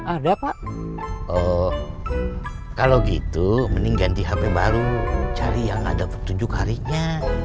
ada pak kalau gitu mending ganti hp baru cari yang ada petunjuk harinya